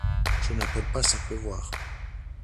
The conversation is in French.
Je n’appelle pas ça pleuvoir.